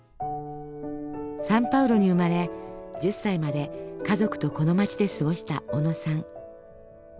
サンパウロに生まれ１０歳まで家族とこの町で過ごした小野さん。